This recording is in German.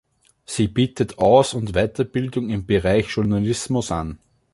Sie bietet Aus- und Weiterbildung im Bereich Journalismus an.